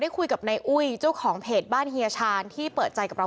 คุยกับนายอุ้ยเจ้าของเพจบ้านเฮียชาญที่เปิดใจกับเรา